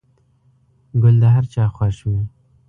گل د هر چا خوښ وي.